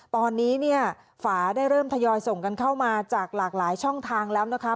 ตอนนี้เนี่ยฝาได้เริ่มทยอยส่งกันเข้ามาจากหลากหลายช่องทางแล้วนะคะ